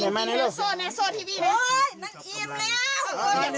แล้วทำอย่างไรแล้วขอพรอย่างไร